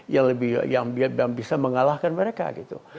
yang lebih yang bisa mengalahkan mereka gitu